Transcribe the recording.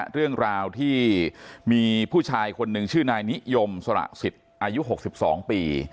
เรื่องราวที่มีผู้ชายคนหนึ่งชื่อนายนิยมสระสิทธิ์อายุ๖๒ปี